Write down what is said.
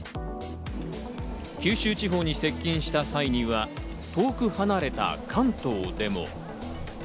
九州地方に接近した際には、遠く離れた関東でも。